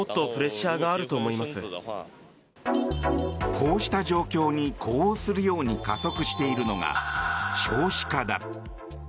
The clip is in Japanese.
こうした状況に呼応するように加速しているのが少子化だ。